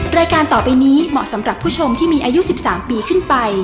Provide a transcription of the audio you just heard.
รายการต่อไปนี้เหมาะสำหรับผู้ชมที่มีอายุ๑๓ปีขึ้นไป